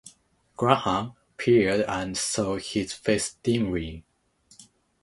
Graham peered and saw his face dimly.